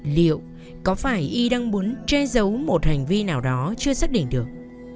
liệu có phải y đang muốn che giấu một hành vi nào đó chưa xác định được